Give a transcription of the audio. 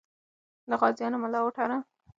د غازیانو ملا وتړه.